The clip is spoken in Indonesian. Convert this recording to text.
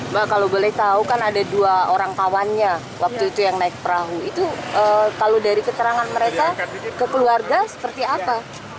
mbak kalau boleh tahu kan ada dua orang kawannya waktu itu yang naik perahu itu kalau dari keterangan mereka ke keluarga seperti apa